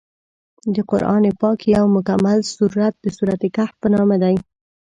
د قران پاک یو مکمل سورت د سورت الکهف په نامه دی.